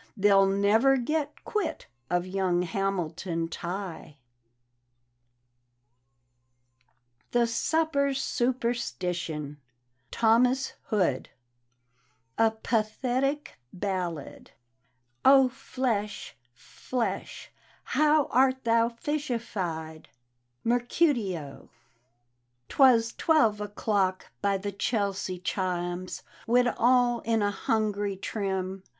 They'll never get quit of young Hamilton Tighel THE SUPPER SUPERSTITION : thomas hood A Pathetic Ballad "Oh fleih, flesh, hon art thou fishifiedt" — MrreuHe. 'Twas twelve o'clock by the Chelsea chimes, When all in a hungry trim.